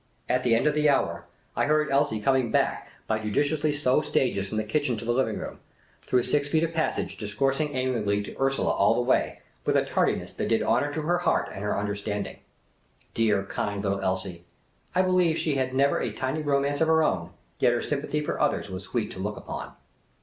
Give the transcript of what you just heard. At the end of the hour, I heard 130 Miss Cayley's Adventures Elsie coming back by judiciously slow stages from the kitchen to the living room, through six feet of passage, discoursing audibly to Ursula all the way, with a tardiness that did honour to her heart and her understanding. Dear, kind little Elsie ! I believe she had never a tiny romance of her own ; yet her sympathy for others was sweet to look upon.